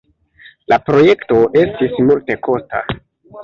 La projekto estis multekosta.